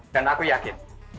dan aku yakin